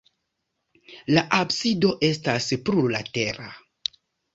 La absido estas plurlatera.